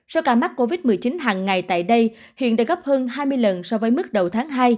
số ca mắc covid một mươi chín hàng ngày tại đây hiện đã gấp hơn hai mươi lần so với mức đầu tháng hai